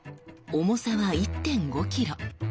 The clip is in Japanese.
重さは１．５ｋｇ。